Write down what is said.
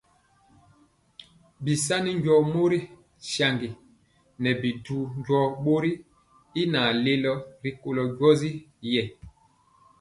Bisani njɔɔ mori saŋgi nɛ bi du njɔɔ bori y naŋ lelo rikolo njɔɔtyi.